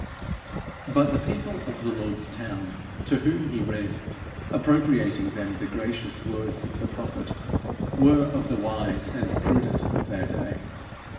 But the people of the Lord's town, to whom he read, appropriating them, the gracious words of the prophet, were of the wise and prudent of their day.